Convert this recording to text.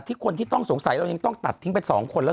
คนที่ต้องสงสัยเรายังต้องตัดทิ้งไป๒คนแล้ว